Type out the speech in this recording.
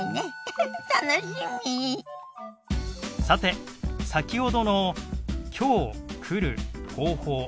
さて先ほどの「きょう」「来る」「方法」